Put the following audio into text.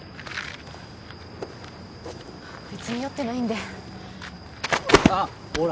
べつに酔ってないんであっほら